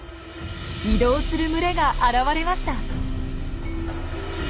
移動する群れが現れました。